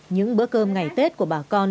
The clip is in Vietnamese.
những bữa cơm ngày tết của bà con